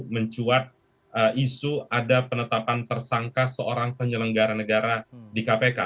mencuat isu ada penetapan tersangka seorang penyelenggara negara di kpk